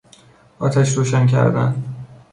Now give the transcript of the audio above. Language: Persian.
آتش روشن کردن